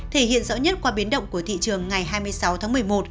thể hiện rõ nhất qua biến động của thị trường ngày hai mươi sáu tháng một mươi một